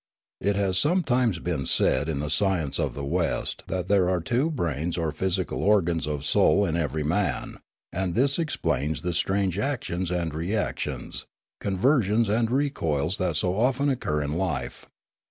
It has sometimes been said in the science of the West that there are two brains or physical organs of soul in every man, and this explains the strange actions and reactions, conversions and re coils that so often occur in life.